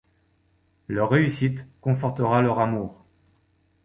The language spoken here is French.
Leur réussite confortera leur amour.